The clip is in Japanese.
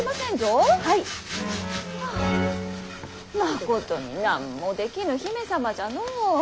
まことに何もできぬ姫様じゃのう。